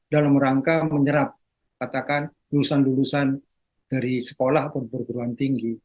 dalam rangka menyerap katakan lulusan lulusan dari sekolah atau perguruan tinggi